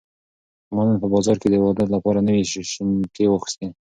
ما نن په بازار کې د واده لپاره نوې شینکۍ واخیستې.